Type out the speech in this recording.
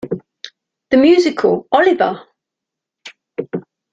The musical Oliver!